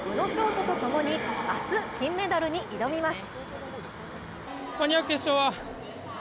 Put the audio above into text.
翔とともに明日、金メダルに挑みます。